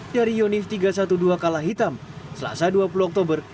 dari yonif tiga ratus dua belas kalah hitam selasa dua puluh oktober